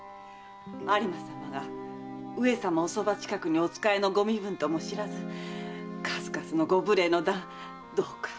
有馬様が上様お側近くにお仕えのご身分とも知らず数々のご無礼の段どうかお許しくださいまし。